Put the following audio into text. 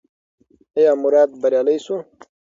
ایا مراد بریالی شو؟